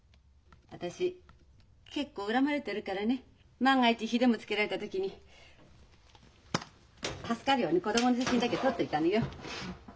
私結構恨まれてるからね万が一火でもつけられた時に助かるように子供の写真だけ取っておいたのよ。